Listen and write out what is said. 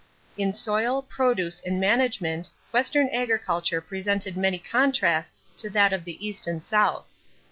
= In soil, produce, and management, Western agriculture presented many contrasts to that of the East and South.